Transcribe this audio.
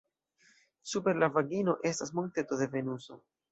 Super la vagino estas monteto de Venuso.